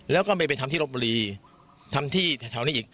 แล้วก็ไม่ไปทำที่รบบุรีทำที่แถวนี้อีก